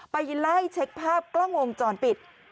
ไปไล่เช็คภาพกล้องวงจรปิด